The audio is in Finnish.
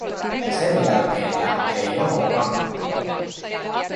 Ja sen jälkeen lähtee jono rannalle.